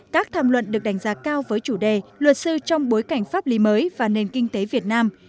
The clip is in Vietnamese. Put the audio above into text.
các tham luận được đánh giá cao với chủ đề luật sư trong bối cảnh pháp lý mới và nền kinh tế việt nam